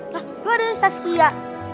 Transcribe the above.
lah itu ada dari saskia